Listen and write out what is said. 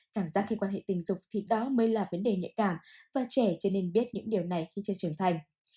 cảm giác khi quan hệ tình dục thì đó mới là vấn đề nhạy cảm và trẻ trở nên biết những điều này khi chưa trưởng thành